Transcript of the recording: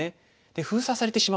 封鎖されてしまうとあれ？